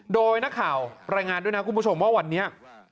โดยนักข่าวรายงานด้วยนะคุณผู้ชมว่าวันนี้